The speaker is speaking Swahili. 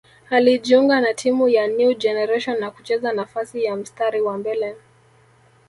Alijiunga na timu ya New Generation na kucheza nafasi ya mstari wa mbele